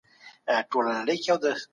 لویه جرګه ولي رابلل کېږي؟